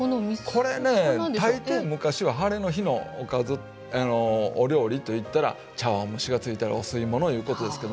これね大抵昔はハレの日のおかずお料理といったら茶わん蒸しがついたりお吸い物いうことですけども。